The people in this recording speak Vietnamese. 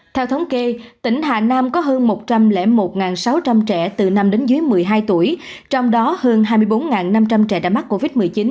theo thống kê tỉnh hà nam có hơn một trăm linh một sáu trăm linh trẻ từ năm đến dưới một mươi hai tuổi trong đó hơn hai mươi bốn năm trăm linh trẻ đã mắc covid một mươi chín